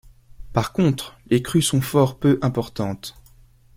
Par contre les crues sont fort peu importantes.